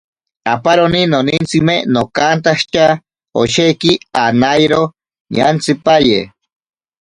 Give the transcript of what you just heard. Aparoni nonintsime nokantshitya, osheki anairo ñantsipaye.